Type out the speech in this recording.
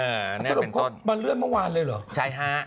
เออนี่เป็นต้นมาเลื่อนเมื่อวานเลยเหรอใช่ฮะ